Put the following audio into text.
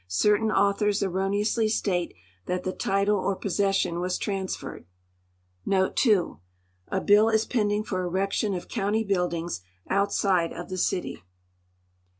Certain autliors erroneously state tliat tile title or possession was transferreil. t A l)ill is iienilin^ for erection of county liuililiuKs outside of tlio city.